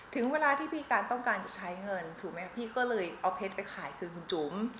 ถึงเวลาที่พี่การต้องการจะใช้เงินถูกไหมพี่ก็เลยเอาเพชรไปขายคืนคุณจุ๋ม